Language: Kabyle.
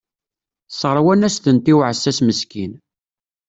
Sseṛwan-as-tent i uɛessas meskin.